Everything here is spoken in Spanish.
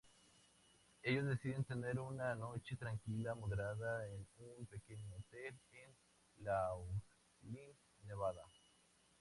Ellos deciden tener una noche tranquila, moderada en un pequeño hotel en Laughlin, Nevada.